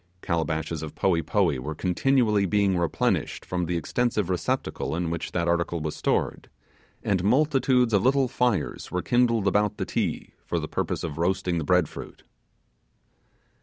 Calabashes of poee poee were continually being replenished from the extensive receptacle in which that article was stored, and multitudes of little fires were kindled about the Ti for the purpose of roasting the bread fruit.